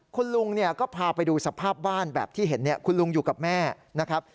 คุณลุงเนี่ยก็พาไปดูสภาพบ้านแบบที่เห็นคุณลุงอยู่กับแม่นะครับ